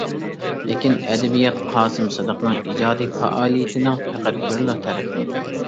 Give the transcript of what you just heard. لېكىن ئەدەبىيات قاسىم سىدىقنىڭ ئىجادىي پائالىيىتىنىڭ پەقەت بىرلا تەرىپى.